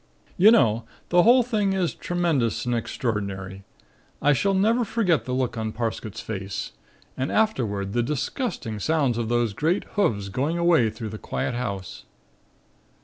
"You know, the whole thing is tremendous and extraordinary. I shall never forget the look on Parsket's face. And afterward the disgusting sounds of those great hoofs going away through the quiet house."